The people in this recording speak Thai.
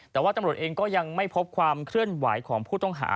แต่ว่าตำรวจเองก็ยังไม่พบความเคลื่อนไหวของผู้ต้องหา